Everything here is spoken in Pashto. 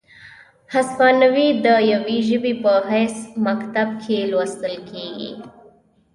هسپانیوي د یوې ژبې په حیث مکتب کې لوستل کیږي،